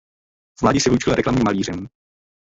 V mládí se vyučil reklamním malířem.